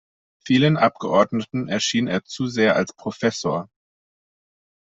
Vielen Abgeordneten erschien er zu sehr als „Professor“.